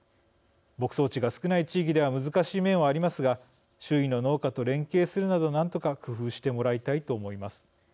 牧草地が少ない地域では難しい面はありますが周囲の農家と連携するなど何とか工夫してもらいたいと思います。